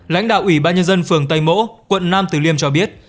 lãnh đạo ủy ban nhân dân phường tây mỗ quận nam tử liêm cho biết